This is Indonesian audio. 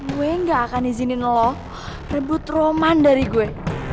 gue gak akan izinin lo rebut roman dari gue